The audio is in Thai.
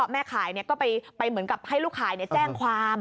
แม่ขายก็ไปเหมือนกับให้ลูกขายแจ้งความ